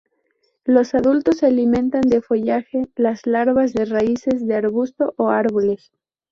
Los adultos se alimentan de follaje, las larvas de raíces de arbusto o árboles.